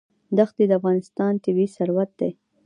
دښتې د افغانستان طبعي ثروت دی.